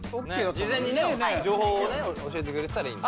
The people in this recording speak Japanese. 事前にね情報をね教えてくれてたらいいんだ。